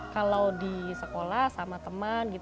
kalau di sekolah sama teman